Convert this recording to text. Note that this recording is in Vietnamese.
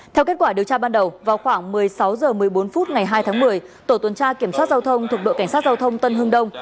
theo kết quả điều tra ban đầu vào khoảng một mươi sáu h một mươi bốn phút ngày hai tháng một mươi tổ tuần tra kiểm soát giao thông thuộc đội cảnh sát giao thông tân hưng đông